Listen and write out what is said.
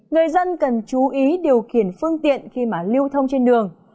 người dân cần chú ý điều khiển phương tiện khi mà lưu thông trên đường